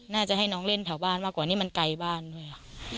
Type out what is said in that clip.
น่าจะให้น้องเล่นแถวบ้านมากกว่านี่มันไกลบ้านด้วย